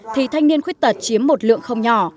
thì thanh niên khuyết tật chiếm một lượng không nhỏ